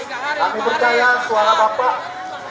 kami percaya suara bapak